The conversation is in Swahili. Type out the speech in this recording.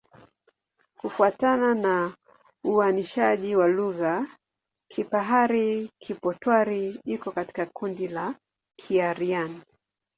Kufuatana na uainishaji wa lugha, Kipahari-Kipotwari iko katika kundi la Kiaryan.